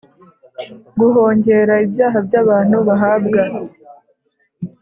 guhongera ibyaha byabantu bahabwa